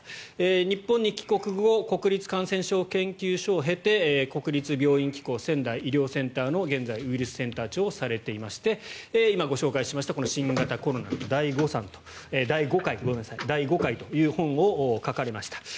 日本に帰国後国立感染症研究所を経て国立病院機構仙台医療センターの現在、ウイルスセンター長をされていまして今、ご紹介しました「新型コロナの大誤解」という本を書かれました。